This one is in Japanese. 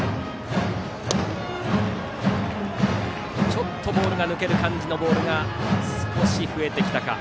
ちょっとボールが抜ける感じのボールが少し増えてきたか。